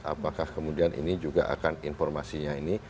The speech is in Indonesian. apakah kemudian ini juga akan informasinya ini